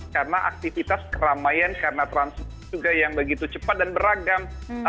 karena aktivitas keramaian karena transisi juga yang begitu cepat dan beragam